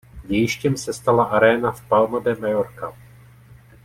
Dějištěm se stala aréna v Palma de Mallorca.